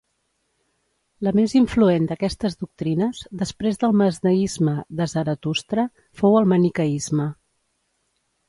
La més influent d'aquestes doctrines, després del mazdeisme de Zaratustra, fou el maniqueisme.